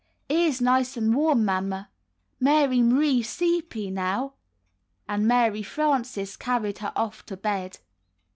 "Ears nice and warm. Mamma. Mary M'rie s'eepy now." And Mary Frances carried her off to bed.